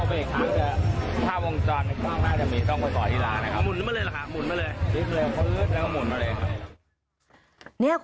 เป็นพนักงานมาคนเดียวหรือครับมาคนเดียว